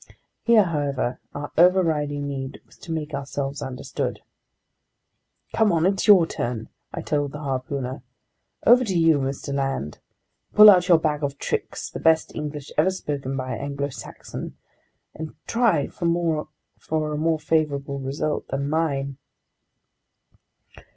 Here, however, our overriding need was to make ourselves understood. "Come on, it's your turn," I told the harpooner. "Over to you, Mr. Land. Pull out of your bag of tricks the best English ever spoken by an Anglo Saxon, and try for a more favorable result than mine."